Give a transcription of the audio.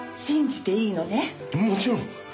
もちろん！